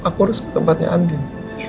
aku harus ke tempatnya andin